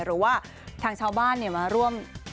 หรือว่าทางชาวบ้านมาร่วม